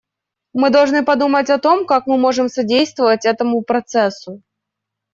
Мы должны подумать о том, как мы можем содействовать этому процессу.